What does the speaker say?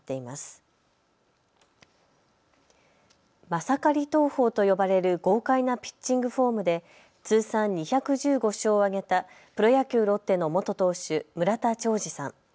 マサカリ投法と呼ばれる豪快なピッチングフォームで通算２１５勝を挙げたプロ野球・ロッテの元投手、村田兆治さん。